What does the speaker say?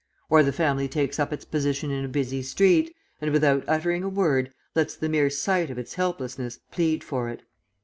Or the family takes up its position in a busy street, and without uttering a word, lets the mere sight of its helplessness plead for it.